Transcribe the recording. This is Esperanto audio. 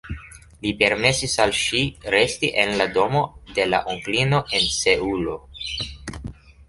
Li permesis al ŝi resti en la domo de la onklino en Seulo.